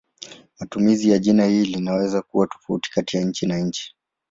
Matumizi ya jina hili linaweza kuwa tofauti kati ya nchi na nchi.